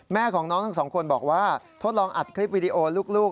แม่ของน้องทั้งสองคนบอกว่าทดลองอัดคลิปวิดีโอลูก